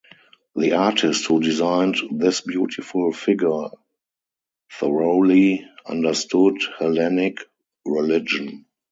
The artist who designed this beautiful figure thoroughly understood Hellenic religion.